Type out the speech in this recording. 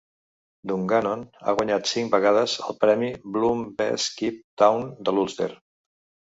Dungannon ha guanyat cinc vegades el premi Bloom Best Kept Town de l'Ulster.